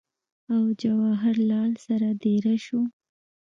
او جواهر لال سره دېره شو